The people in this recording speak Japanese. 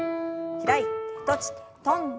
開いて閉じて跳んで。